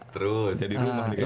terus jadi rumah nih kan